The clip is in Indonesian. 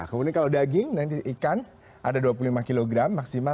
kemudian kalau daging nanti ikan ada dua puluh lima kg maksimal